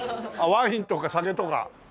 ワインとか酒とか。